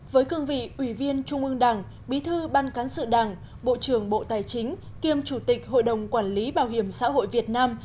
với cương vị ủy viên trung ương đảng bí thư ban cán sự đảng bộ trưởng bộ tài chính kiêm chủ tịch hội đồng quản lý bảo hiểm xã hội việt nam